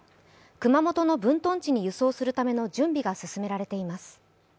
熊本の分屯地に輸送するための準備が行われています。